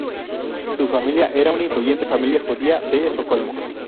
Su familia era una influyente familia judía de Estocolmo.